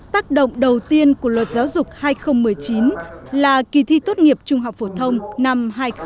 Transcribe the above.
tác động đầu tiên của luật giáo dục hai nghìn một mươi chín là kỳ thi tốt nghiệp trung học phổ thông năm hai nghìn hai mươi